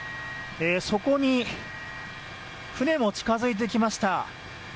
そこに船も近づいてきました。